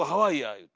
言うて。